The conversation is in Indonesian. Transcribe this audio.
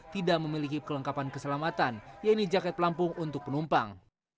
tidak memiliki kelengkapan keselamatan yaitu jaket pelampung untuk penumpang